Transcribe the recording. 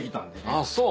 あっそう。